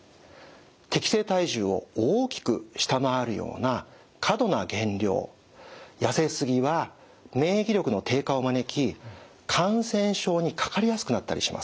適正体重を大きく下回るような過度な減量やせ過ぎは免疫力の低下を招き感染症にかかりやすくなったりします。